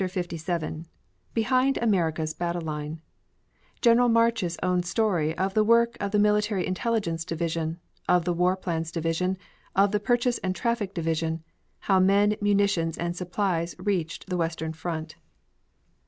CHAPTER LVII BEHIND AMERICA'S BATTLE LINE GENERAL MARCH'S OWN STORY OF THE WORK OF THE MILITARY INTELLIGENCE DIVISION OF THE WAR PLANS DIVISION OF THE PURCHASE AND TRAFFIC DIVISION HOW MEN, MUNITIONS AND SUPPLIES REACHED THE WESTERN FRONT.